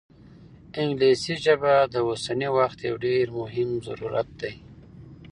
انګلیسي ژبه د اوسني وخت یو ډېر مهم ضرورت دی.